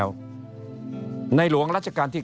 เพราะฉะนั้นท่านก็ออกโรงมาว่าท่านมีแนวทางที่จะทำเรื่องนี้ยังไง